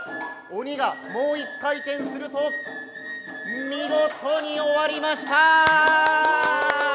鬼がもう一回転すると、見事に終わりました！